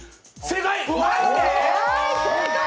正解！